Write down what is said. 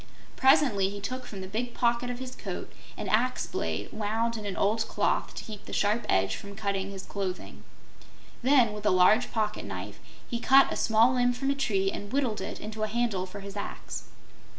Presently he took from the big pocket of his coat an axe blade, wound in an old cloth to keep the sharp edge from cutting his clothing. Then, with a large pocket knife, he cut a small limb from a tree and whittled it into a handle for his axe.